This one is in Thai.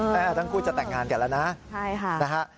แต่ทั้งคู่จะแต่งงานกันแล้วนะใช่ค่ะ